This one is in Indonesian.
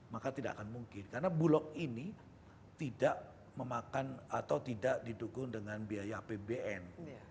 maka tidak akan mungkin karena bulog ini tidak memakan atau tidak didukung dengan biaya apbn